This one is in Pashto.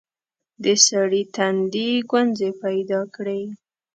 د سړي تندي ګونځې پيداکړې.